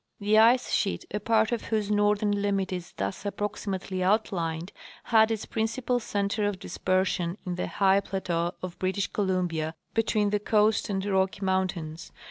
The ice sheet, a part of whose northern limit is thus approximately outlined, had its principal center of dispersion in the high plateau of British Columbia, between the Coast and Rocky mountains.